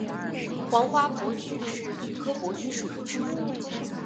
黄花珀菊是菊科珀菊属的植物。